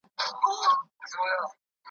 عقدې مه ساتئ.